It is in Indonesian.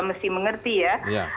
mesti mengerti ya